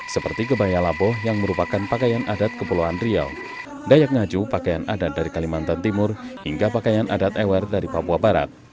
seperti kebaya laboh yang merupakan pakaian adat kepulauan riau dayak ngaju pakaian adat dari kalimantan timur hingga pakaian adat ewer dari papua barat